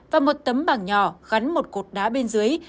và một tấm bảng nhỏ gắn một cột đá bên dưới